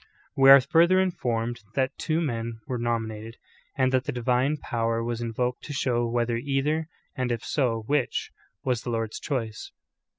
"'^ \\'e are further informed that two men were nominated, and that the divine power was invoked to show whether either, and if so, which, was the Lord's choice.